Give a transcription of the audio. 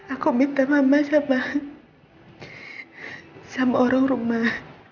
aku minta maaf sama orang rumah